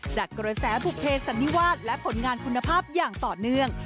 จากกระแสบุเภสันนิวาสและผลงานคุณภาพอย่างต่อเนื่อง